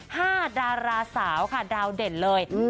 ห้าดาราสาวค่ะดาวเด่นเลยอืม